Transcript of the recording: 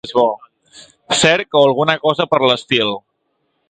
Cerc o alguna cosa per l'estil.